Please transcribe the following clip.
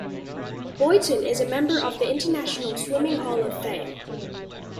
Boyton is a member of the International Swimming Hall of Fame.